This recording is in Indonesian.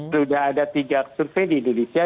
sudah ada tiga survei di indonesia